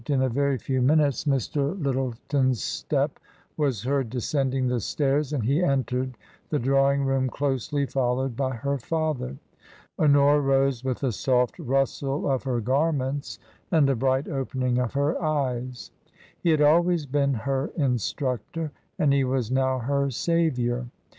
In a very few minutes Mr. Lyttleton's step was heard descending the stairs, and he entered the drawing room closely followed by her father. Honora rose with a soft rustle of her garments and a bright opening of her eyes. He had always been her instructor, and he was now her saviour.